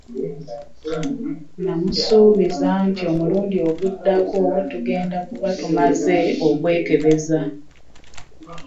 Namusuubiza nti omulundi oguddako tugenda kuba tumaze okwekebeza.